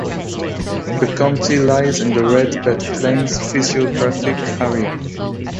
The county lies in the Red Bed Plains physiographic area.